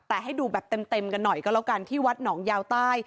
แต่ให้ดูแบบเต็มกันหน่อยก็แล้วกันที่วัดหนองยาวใต้